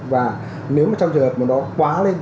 và nếu mà trong trường hợp mà nó quá lên